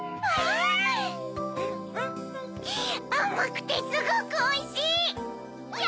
あまくてすごくおいしい！